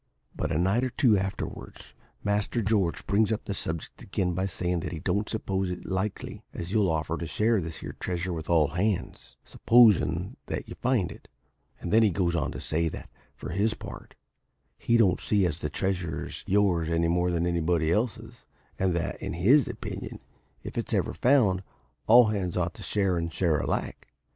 "But a night or two afterwards, Master George brings up the subject again by sayin' that he don't suppose it's likely as you'll offer to share this here treasure with all hands, supposin' that you find it. And then he goes on to say that, for his part, he don't see as the treasure is yours any more than it's anybody else's, and that, in his opinion, if it's ever found, all hands ought to share and share alike.